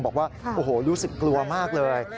บอกว่าโอ้โหรู้สึกกลัวมากเลย